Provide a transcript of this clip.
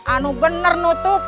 ini benar tutup